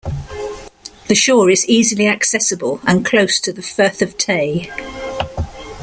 The shore is easily accessible and close to the Firth of Tay.